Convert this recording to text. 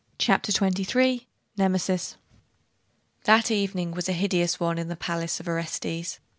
CHAPTER XXIII: NEMESIS That evening was a hideous one in the palace of Orestes.